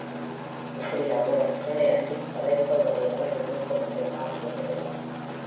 எப்படியாவது அரசர்களை அண்டிப் பதவி பெறுவதே அவர்கள் நோக்கம் என்று, ஆபி எழுதுகிறார்.